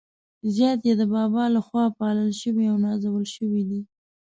زیات يې د بابا له خوا پالل شوي او نازول شوي دي.